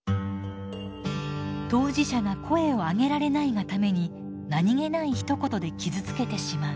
当事者が声をあげられないがために何気ないひと言で傷つけてしまう。